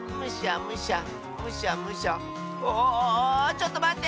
ちょっとまって！